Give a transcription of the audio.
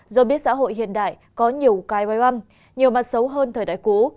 dù biết xã hội hiện đại có nhiều cái vai văn nhiều mặt xấu hơn thời đại cũ